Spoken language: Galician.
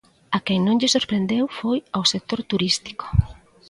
A quen non lle sorprendeu foi ao sector turístico.